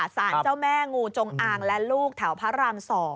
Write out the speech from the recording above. สารเจ้าแม่งูจงอางและลูกแถวพระราม๒